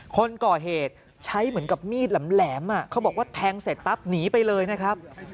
คนก่อเหตุใช้เหมือนกับมีดแหลมเขาบอกว่าแทงเสร็จปั๊บหนีไปเลยนะครับ